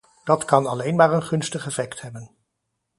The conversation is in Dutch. Dat kan alleen maar een gunstig effect hebben.